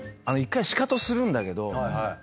１回シカトするんだけど。